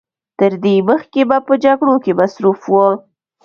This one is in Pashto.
تر دې مخکې به په جګړو کې مصروف و.